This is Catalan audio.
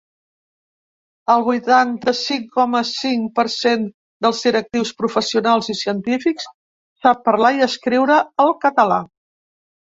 El vuitanta-cinc coma cinc per cent dels directius, professionals i científics sap parlar i escriure el català.